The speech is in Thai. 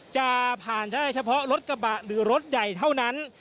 จะผ่านได้เฉพาะรถกระบะหรือรถใหญ่เท่านั้น